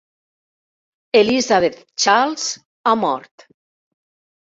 Elizabeth Charles ha mort.